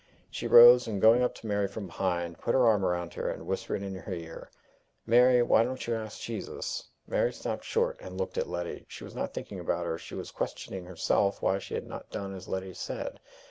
She rose, and going up to Mary from behind, put her arm round her, and whispered in her ear: "Mary, why don't you ask Jesus?" Mary stopped short, and looked at Letty. But she was not thinking about her; she was questioning herself: why had she not done as Letty said?